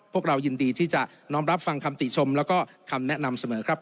พวกเรายินดีที่จะน้อมรับฟังคำติชมแล้วก็คำแนะนำเสมอครับ